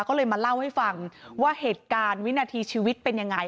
ก็เลยมาเล่าให้ฟังว่าเหตุการณ์วินาทีชีวิตเป็นยังไง